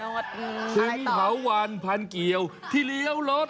ถึงเถาวันพันเกี่ยวที่เลี้ยวรถ